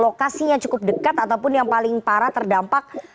lokasinya cukup dekat ataupun yang paling parah terdampak